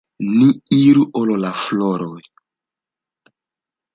Ni iru al la floroj.